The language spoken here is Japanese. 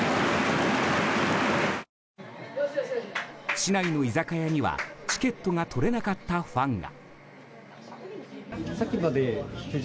市内の居酒屋には、チケットが取れなかったファンが。